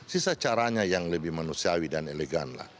sisa caranya yang lebih manusiawi dan elegan lah